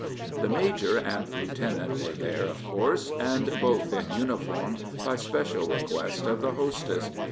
The major and lieutenant were there, of course, and both in uniform, by special request of the hostess.